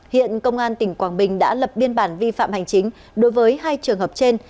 hiện công an tỉnh quảng bình đã lập biên bản vi phạm hành chính đối với hai trường hợp trên